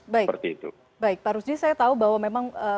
baik baik pak rusdi saya tahu bahwa memang